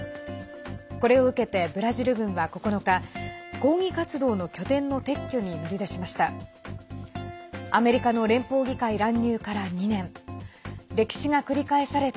これを受けて、ブラジル軍は９日抗議活動の拠点の撤去に乗り出しました。